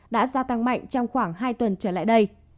đã gia tăng mạnh trong khoảng hai tuần trở lại đây